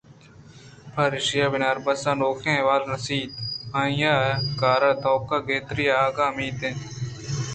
پر ایشی بناربسءَنوکیں احوال رست اَنت ءُ آئی ءِ کار ءِ توک ءَ گِہتری آہگءِاُمیت اَت